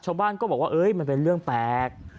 ชาวบ้านก็บอกว่ามันเป็นเรื่องแปลก